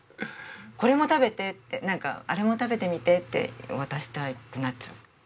これも食べてってあれも食べてみてって渡したくなっちゃう。